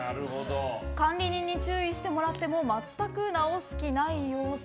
管理人に注意してもらっても全く直す気はない様子。